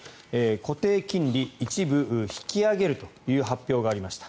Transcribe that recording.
固定金利、一部引き上げるという発表がありました。